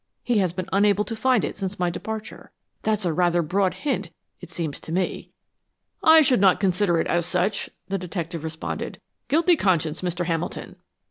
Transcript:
He has been unable to find it since my departure. That's a rather broad hint, it seems to me." "I should not consider it as such," the detective responded. "Guilty conscience, Mr. Hamilton!"